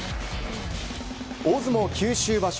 大相撲九州場所